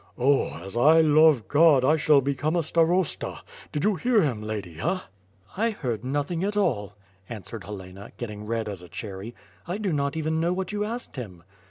"Oh! as I love God, I shall become a starosta! Did you hear him, lady, eh?" "I heard nothing at all," answered Helena, getting red as a cherry. "I do not even know what you askecl him."